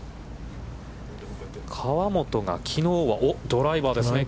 河本が、きのうは、おっ、ドライバーですね。